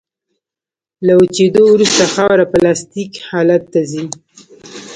له وچېدو وروسته خاوره پلاستیک حالت ته ځي